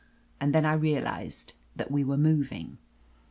And then I realized that we* were moving.